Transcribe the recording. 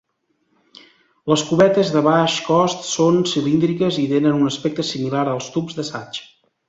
Les cubetes de baix cost són cilíndriques i tenen un aspecte similar als tubs d'assaig.